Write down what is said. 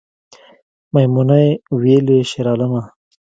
میمونۍ ویلې شیرعالمه